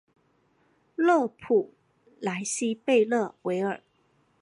勒普莱西贝勒维尔。